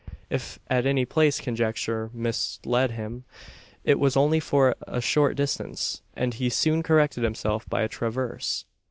If at any place conjecture misled him, it was only for a short distance, and he soon corrected himself by a traverse.